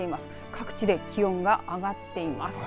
各地で気温が上がっています。